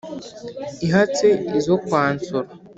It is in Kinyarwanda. Ihatse izo kwa Nsoro,